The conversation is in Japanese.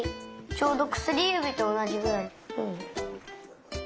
ちょうどくすりゆびとおなじぐらい。